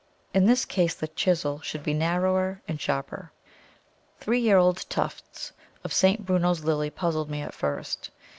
In this case the chisel should be narrower and sharper. Three year old tufts of St. Bruno's Lily puzzled me at first.